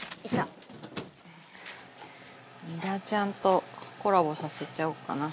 ニラちゃんとコラボさせちゃおうかな。